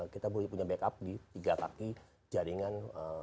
kita punya backup di tiga kaki jaringan